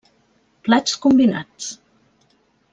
Plats combinats: